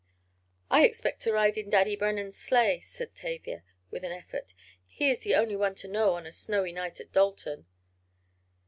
"I expect to ride in Daddy Brennen's sleigh," said Tavia, with an effort. "He is the only one to know on a snowy night at Dalton."